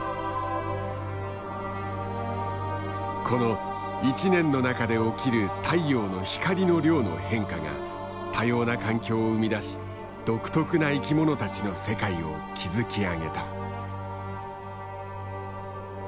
この１年の中で起きる太陽の光の量の変化が多様な環境を生み出し独特な生きものたちの世界を築き上げた。